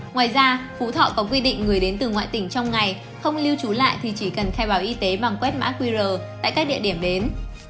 ngoài ra phú thọ có quy định người đến từ ngoại tỉnh trong ngày không lưu trú lại thì chỉ cần khai báo y tế bằng quét mã qr tại các địa điểm đến